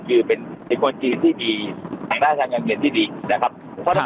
คือเป็นคนจีนที่ดีทางหน้าทางอังกฤษที่ดีนะครับครับ